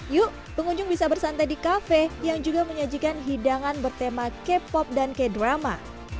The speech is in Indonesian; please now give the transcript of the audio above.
yuk pengunjung bisa bersantai di kafe yang juga menyajikan hidangan bertema k pop dan k drama